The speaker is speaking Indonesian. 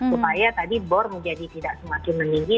supaya tadi bor menjadi tidak semakin meninggi